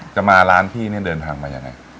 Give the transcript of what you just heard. จะมาร้านพี่เนี่ยเดินทางมายังไง